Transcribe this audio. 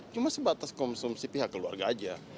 cuma sebatas konsumsi pihak keluarga aja